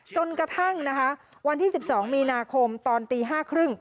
จนกระทั่งวันที่๑๒มีนาคมตอนตี๕ครึ่ง